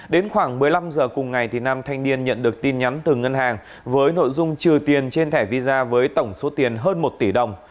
đến khoảng một mươi năm h cùng ngày nam thanh niên nhận được tin nhắn từ ngân hàng với nội dung trừ tiền trên thẻ visa với tổng số tiền hơn một tỷ đồng